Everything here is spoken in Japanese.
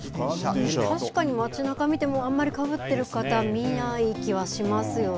確かに街なか見ても、あんまりかぶってる方、見ない気はしますよね。